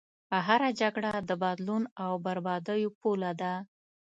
هره جګړه د بدلون او بربادیو پوله ده.